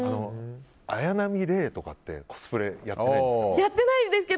綾波レイとかってコスプレやってないですか？